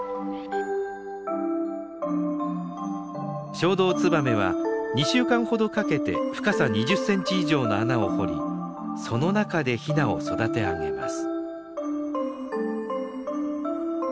ショウドウツバメは２週間ほどかけて深さ２０センチ以上の穴を掘りその中でヒナを育て上げます。